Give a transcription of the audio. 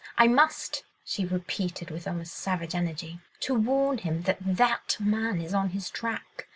I must!" she repeated with almost savage energy, "to warn him that that man is on his track.